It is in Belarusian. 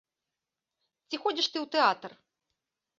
Ці ходзіш ты ў тэатр?